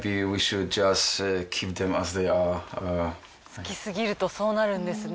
好きすぎるとそうなるんですね。